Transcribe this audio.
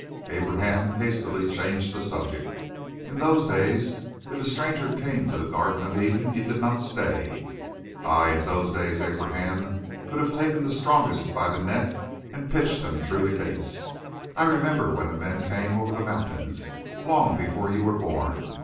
Abraham hastily changed the subject. "In those days if a stranger came to the Garden of Eden he did not stay. Aye, and in those days Abraham could have taken the strongest by the neck and pitched him through the gates. I remember when the men came over the mountains long before you were born.